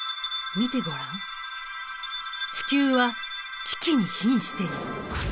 見てごらん地球は危機にひんしている。